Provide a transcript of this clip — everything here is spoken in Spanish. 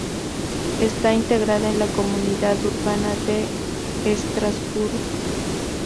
Está integrada en la Comunidad urbana de Estrasburgo.